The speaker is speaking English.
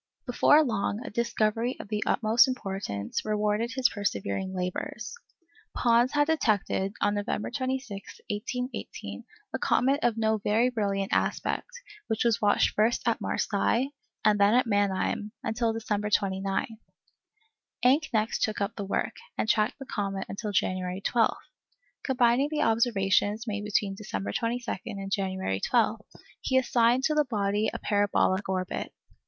Before long a discovery of the utmost importance rewarded his persevering labours. Pons had detected on November 26, 1818, a comet of no very brilliant aspect, which was watched first at Marseilles, and then at Mannheim, until December 29. Encke next took up the work, and tracked the comet until January 12. Combining the observations made between December 22 and January 12, he assigned to the body a parabolic orbit.